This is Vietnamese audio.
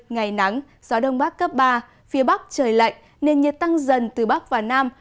ngày nắng gió đông bắc cấp ba phía bắc trời lạnh nền nhiệt tăng dần từ bắc và nam